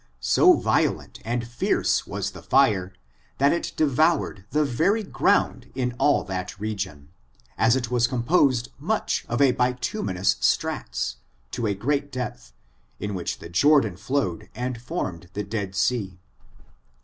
So violent and fierce was the fire, that it devonred the very ground in all that region, as it was composed much of a bituminous strata, to a great depth, in which the Jordan flowed and formed the Dead Sea.